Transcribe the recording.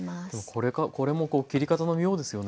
これも切り方の妙ですよね。